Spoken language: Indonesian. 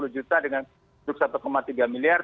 satu ratus lima puluh juta dengan satu tiga miliar